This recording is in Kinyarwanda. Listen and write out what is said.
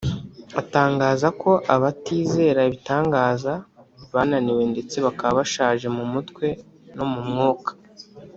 atangaza ko abatizera ibitangaza bananiwe ndetse bakaba bashaje mu mutwe no mu mwuka